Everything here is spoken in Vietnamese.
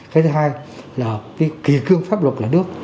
cái thứ hai là kỳ cương pháp luật là nước